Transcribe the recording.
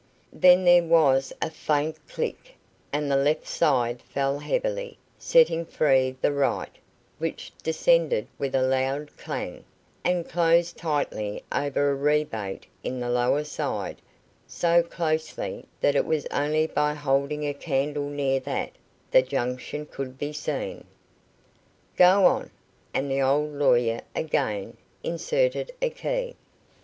Then there was a faint click, and the left side fell heavily, setting free the right, which descended with a loud clang, and closed tightly over a rebate in the lower side, so closely, that it was only by holding a candle near that the junction could be seen. "Go on;" and the old lawyer again inserted a key.